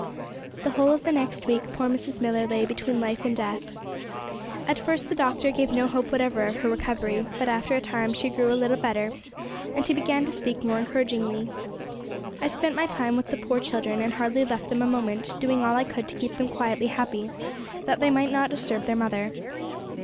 The whole of the next week poor Mrs. Millar lay between life and death. At first the doctor gave no hope whatever of her recovery; but after a time she grew a little better, and he began to speak more encouragingly. I spent my time with the poor children, and hardly left them a moment, doing all I could to keep them quietly happy, that they might not disturb their mother.